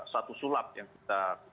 satu sulap yang kita